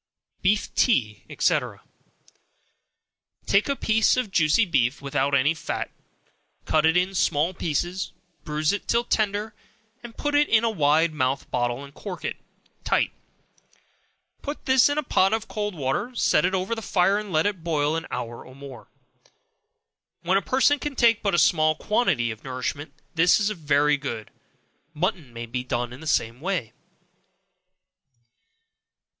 Beef Tea, &c. Take a piece of juicy beef, without any fat, cut it in small pieces, bruise it till tender, put it in a wide mouthed bottle, and cork it tight; put this in a pot of cold water, set it over the fire, and let it boil an hour or more. When a person can take but a small quantity of nourishment, this is very good. Mutton may be done in the same way.